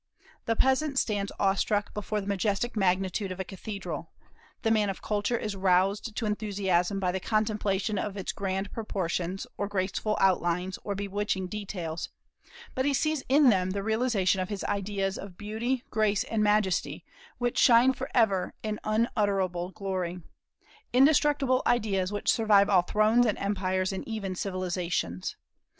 The peasant stands awe struck before the majestic magnitude of a cathedral; the man of culture is roused to enthusiasm by the contemplation of its grand proportions, or graceful outlines, or bewitching details, because he sees in them the realization of his ideas of beauty, grace, and majesty, which shine forever in unutterable glory, indestructible ideas which survive all thrones and empires, and even civilizations.